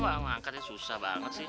mau angkat susah banget sih